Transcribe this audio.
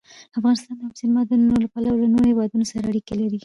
افغانستان د اوبزین معدنونه له پلوه له نورو هېوادونو سره اړیکې لري.